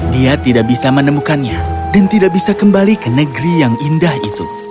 dia tidak bisa menemukannya dan tidak bisa kembali ke negeri yang indah itu